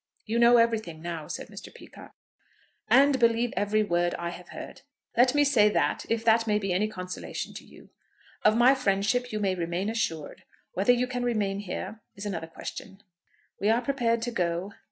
"You know everything now," said Mr. Peacocke. "And believe every word I have heard. Let me say that, if that may be any consolation to you. Of my friendship you may remain assured. Whether you can remain here is another question." "We are prepared to go."